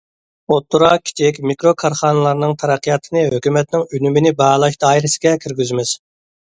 ئوتتۇرا، كىچىك، مىكرو كارخانىلارنىڭ تەرەققىياتىنى ھۆكۈمەتنىڭ ئۈنۈمىنى باھالاش دائىرىسىگە كىرگۈزىمىز.